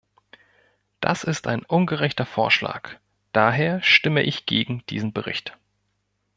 Das ist ein ungerechter Vorschlag, daher stimme ich gegen diesen Bericht.